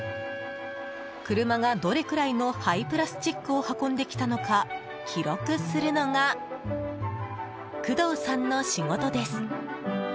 車がどれぐらいの廃プラスチックを運んできたのか記録するのが工藤さんの仕事です。